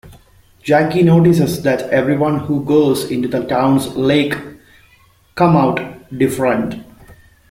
Jackie notices that everyone who goes into the town's lake come out different.